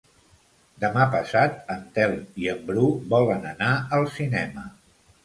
Demà passat en Telm i en Bru volen anar al cinema.